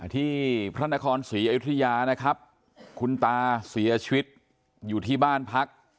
ที่พระนครศรีอยุธยานะครับคุณตาเสียชีวิตอยู่ที่บ้านพัก